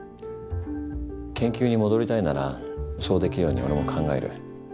研究に戻りたいならそうできるように俺も考える。